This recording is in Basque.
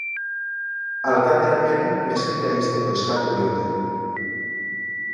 Alkateari ere meskita ixteko eskatu diote.